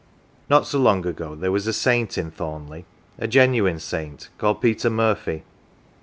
Not so long ago there was a saint in Thornleigh a genuine saint, called Peter Murphy.